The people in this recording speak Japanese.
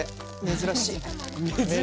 珍しい。